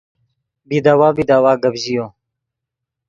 بیداوا بیداوا گپ ژیو